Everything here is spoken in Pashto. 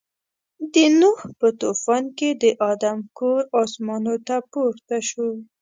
د نوح په طوفان کې د آدم کور اسمانو ته پورته شو.